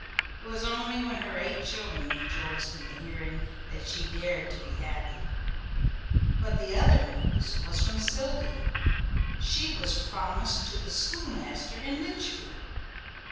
It was only when her eight children rejoiced in the hearing that she dared to be happy. But the other news was from Sylvia. She was promised to the schoolmaster in Litchfield.